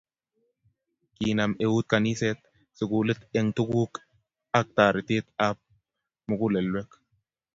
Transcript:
Kinam eut kaniset sukulit eng tukuk ang taretet ab mugulelwek